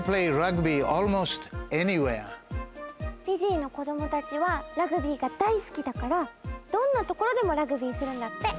フィジーの子どもたちはラグビーが大すきだからどんなところでもラグビーするんだって。